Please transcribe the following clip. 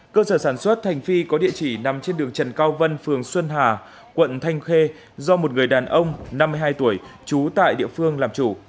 cơ sở sản xuất hành phi có địa chỉ nằm trên đường trần cao vân phường xuân hà quận thanh khê do một người đàn ông năm mươi hai tuổi trú tại địa phương làm chủ